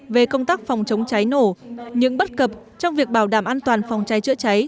về công tác phòng chống cháy nổ những bất cập trong việc bảo đảm an toàn phòng cháy chữa cháy